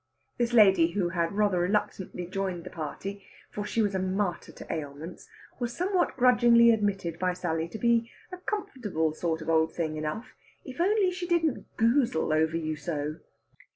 This lady, who had rather reluctantly joined the party for she was a martyr to ailments was somewhat grudgingly admitted by Sally to be a comfortable sort of old thing enough, if only she didn't "goozle" over you so.